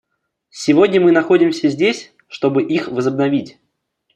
Сегодня мы находимся здесь, чтобы их возобновить.